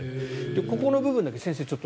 ここの部分だけ、先生。